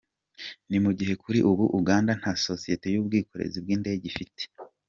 Ni mu gihe kuri ubu Uganda nta sosiyete y’ubwikorezi bw’indege ifite.